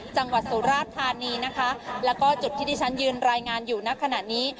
จังหวัดสุราชธานีนะคะแล้วก็จุดที่ที่ฉันยืนรายงานอยู่ณขณะนี้